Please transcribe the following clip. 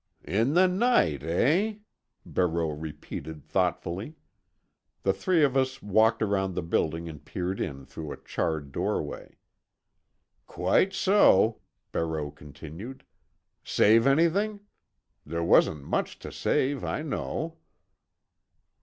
"In the night, eh?" Barreau repeated thoughtfully. The three of us walked around the building and peered in through a charred doorway. "Quite so," Barreau continued. "Save anything? There wasn't much to save, I know."